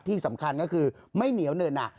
ที่สำคัญก็คือไม่เหนียวเนิ่น